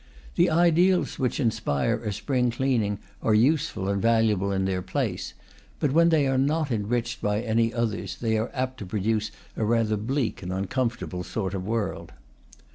The ideals which inspire a spring cleaning are useful and valuable in their place, but when they are not enriched by any others they are apt to produce a rather bleak and uncomfortable sort of world.